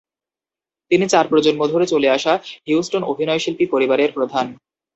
তিনি চার প্রজন্ম ধরে চলে আসা হিউস্টন অভিনয়শিল্পী পরিবারের প্রধান।